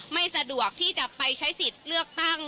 ไม่สะดวกที่จะไปใช้สิทธิ์เลือกตั้ง